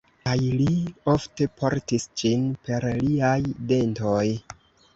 Kaj li ofte portis ĝin per liaj dentoj.